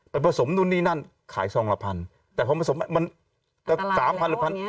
ไปผสมนู่นนี่นั่นขายซองละพันแต่พอผสมมันก็๓๐๐๐บาท